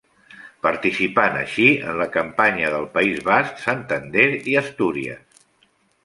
Participant així en la campanya de País Basc, Santander i Astúries.